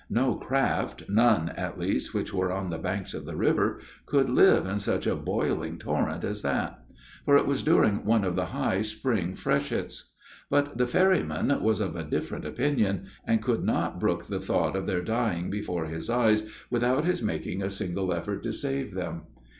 No craft, none, at least, which were on the banks of the river, could live in such a boiling torrent as that; for it was during one of the high spring freshets. But the ferryman was of a different opinion, and could not brook the thought of their dying before his eyes without his making a single effort to save them.